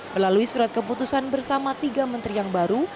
melalui surat keputusan bersama tiga menteri yang baru